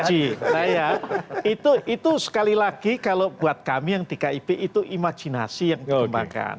sekoji nah ya itu sekali lagi kalau buat kami yang di kib itu imajinasi yang dikembangkan